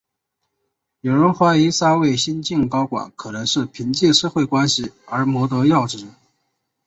有人怀疑三位新晋高管可能是凭借社会关系而谋得要职。